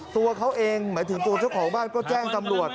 ตัวเขาเองหมายถึงตัวเจ้าของบ้านก็แจ้งตำรวจ